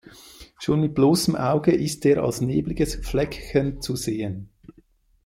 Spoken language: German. Schon mit bloßem Auge ist er als nebliges Fleckchen zu sehen.